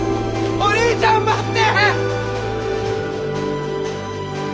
お兄ちゃん待って！